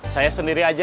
saya sendiri aja